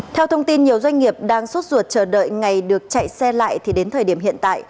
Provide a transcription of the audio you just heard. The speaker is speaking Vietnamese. theo thông tin nhiều doanh nghiệp đang suốt ruột chờ đợi ngày được chạy xe lại thì đến thời điểm hiện tại